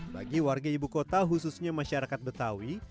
bagi warga ibu kota khususnya masyarakat betawi